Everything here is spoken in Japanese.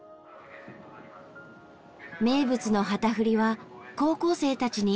名物の旗振りは高校生たちに託しました。